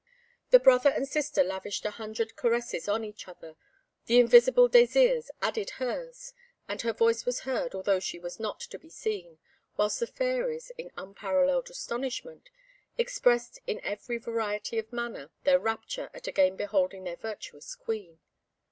The brother and sister lavished a hundred caresses on each other; the invisible Désirs added hers, and her voice was heard, although she was not to be seen, whilst the fairies, in unparalleled astonishment, expressed in every variety of manner their rapture at again beholding their virtuous Queen.